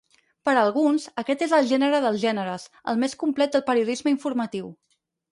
Per a alguns, aquest és el gènere dels gèneres, el més complet del periodisme informatiu.